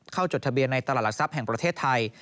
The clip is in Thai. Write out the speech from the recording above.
จดทะเบียนในตลาดหลักทรัพย์แห่งประเทศไทย